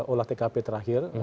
olah tkp terakhir